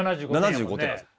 ７５点なんですよ。